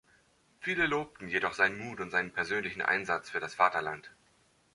Viele lobten jedoch seinen Mut und seinen persönlichen Einsatz für das Vaterland.